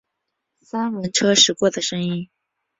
三轮车驶过的声音